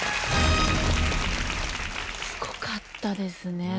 すごかったですね。